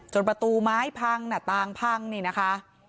ประตูไม้พังหน้าต่างพังนี่นะคะ